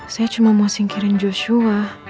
saya cuma mau singkirin joshua